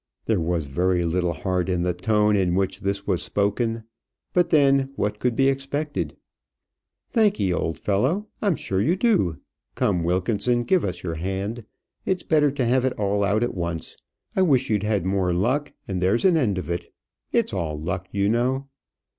There was very little heart in the tone in which this was spoken; but then, what could be expected? "Thank'ee, old fellow, I'm sure you do. Come, Wilkinson, give us your hand. It's better to have it all out at once. I wish you'd had more luck, and there's an end of it. It's all luck, you know."